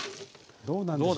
どうなんでしょう。